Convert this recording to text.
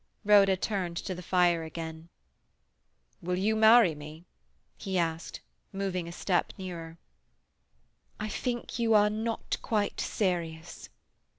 Rhoda turned to the fire again. "Will you marry me?" he asked, moving a step nearer. "I think you are "not quite serious"."